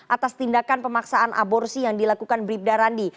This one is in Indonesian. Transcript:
atas tindakan pemaksaan aborsi yang dilakukan beribdaran di